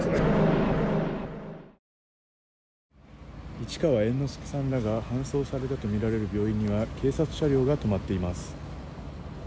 市川猿之助さんらが搬送されたとみられる病院には警察車両が止まっています。